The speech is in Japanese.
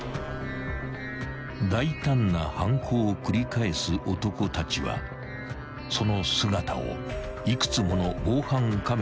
［大胆な犯行を繰り返す男たちはその姿を幾つもの防犯カメラに残していた］